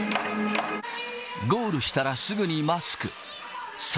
ゴールしたらすぐにマスク。